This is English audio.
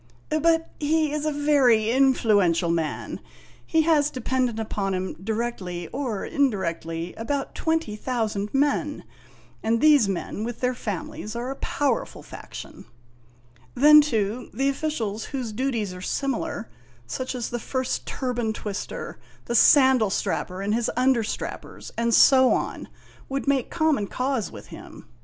" But he is a very influential man ; he has dependent upon him, directly or indirectly, about twenty thousand men, and these men, with their families, are a powerful faction. Then, too, the officials whose duties are similar such as the First Turban Twister, the Sandal Strapper and his understrappers, and so on would make common cause with him.